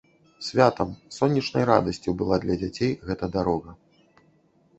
Святам, сонечнай радасцю была для дзяцей гэта дарога.